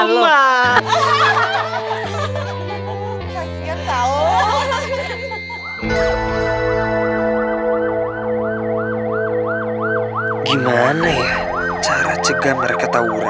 boy kemana ya kok gak ada